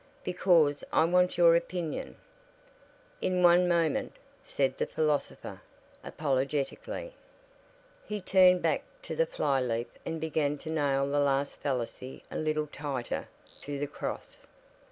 "Because I want your opinion." "In one moment," said the philosopher, apologetically. He turned back to the fly leaf and began to nail the last fallacy a little tighter to the cross.